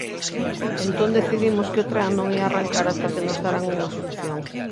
Entón decidimos que o tren non ía arrancar ata que nos deran unha solución.